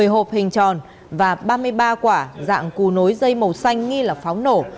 một mươi hộp hình tròn và ba mươi ba quả dạng cù nối dây màu xanh nghi là pháo nổ